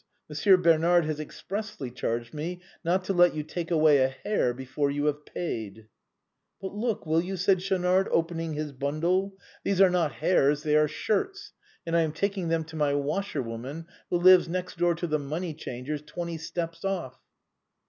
Monsieur Bernard has expressly charged me not to let you take away a hair before you have paid." " But look, will you ?" said Schaunard, opening his bun dle ;" these are not hairs, they are shirts, and I am taking them to my washerwoman, who lives next door to the money changer's, twenty steps off.